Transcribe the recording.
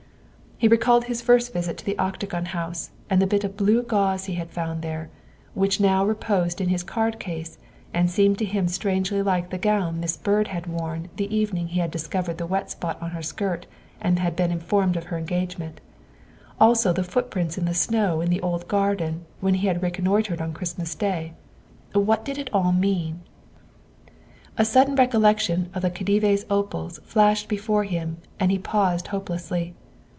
He recalled his first visit to the Octagon House and the bit of blue gauze he had found there, which now reposed in his card case and seemed to him strangely like the gown Miss Byrd had worn the evening he had dis covered the wet spot on her skirt and been informed of her engagement; also the footprints in the snow in the old garden when he had reconnoitred on Christmas Day. What did it all mean? A sudden recollection of the Khedive's opals flashed before him, and he paused hopelessly.